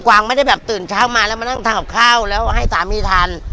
วางไม่ได้แบบตื่นเช้ามาแล้วมานั่งทานกับข้าวแล้วให้สามีทาน